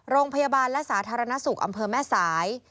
โรงพยาบาลและสาธารณสุขอำเภอแม่สาย